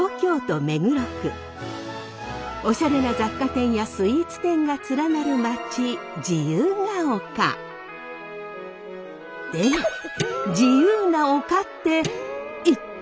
おしゃれな雑貨店やスイーツ店が連なる街でも自由な丘って一体？